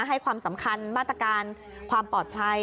ให้ความสำคัญมาตรการความปลอดภัย